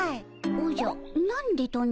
おじゃ「何で」とな？